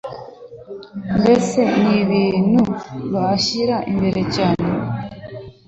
mbese ni ibintu bashyira imbere cyane.